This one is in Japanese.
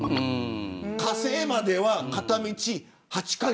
火星までは片道８カ月。